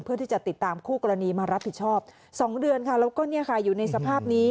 เพื่อที่จะติดตามคู่กรณีมารับผิดชอบ๒เดือนค่ะแล้วก็เนี่ยค่ะอยู่ในสภาพนี้